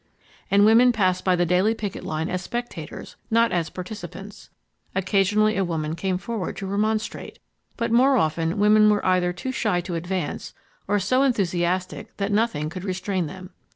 And women passed by the daily picket line as spectators, not as participants. Occasionally a woman came forward to remonstrate, but more often women were either too shy to advance or so enthusiastic that nothing could restrain them.